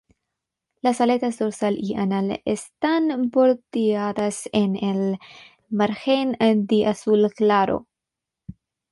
Las aletas dorsal y anal están bordeadas en el margen de azul claro.